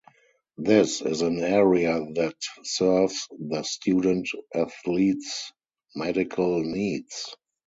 This is an area that serves the student-athletes' medical needs.